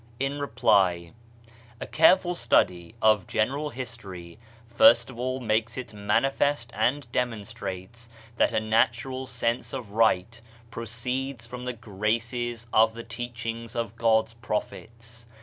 In reply — a careful study of general history, first of all makes it manifest and demonstrates, that a natural sense of right proceeds from the graces of the teachings of God's Prophets.